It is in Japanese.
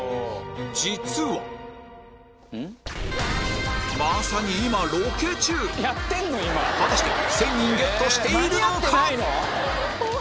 実は果たして１０００人ゲットしているのか？